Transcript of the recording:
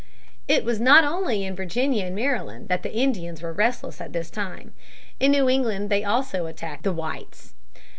It was not only in Virginia and Maryland that the Indians were restless at this time. In New England also they attacked the whites.